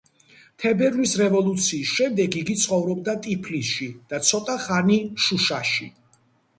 თებერვლის რევოლუციის შემდეგ, იგი ცხოვრობდა ტიფლისში და ცოტა ხანი შუშაში.